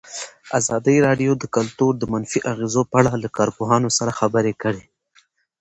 ازادي راډیو د کلتور د منفي اغېزو په اړه له کارپوهانو سره خبرې کړي.